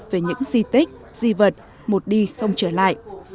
về những di tích di vật một đi không trở lại